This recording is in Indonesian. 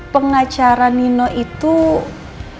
pengacara nino itu siapa